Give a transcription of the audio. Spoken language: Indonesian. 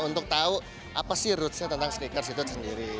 untuk tahu apa sih rootsnya tentang sneakers itu sendiri